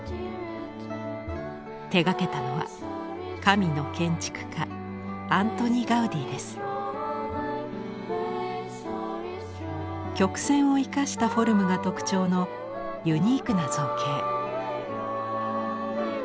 手がけたのは「神の建築家」曲線を生かしたフォルムが特徴のユニークな造形。